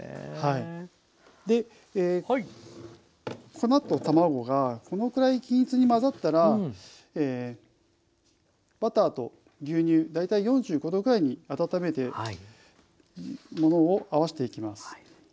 粉と卵がこのくらい均一に混ざったらバターと牛乳大体４５℃くらいに温めたものを合わせていきます。